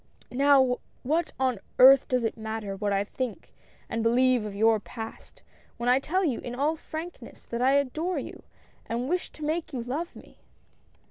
Now, what on earth does it matter what I think and believe of your Past, when I tell you, in all frankness, that I adore you, and wish to make you love me